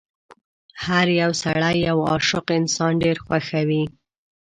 هر يو سړی یو عاشق انسان ډېر خوښوي.